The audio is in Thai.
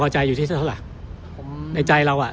เราไปเรียกไม่ได้ครับเพราะว่า